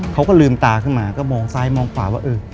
เขาก็ลืมตาขึ้นมาก็มองซ้ายมองขวาว่าเออ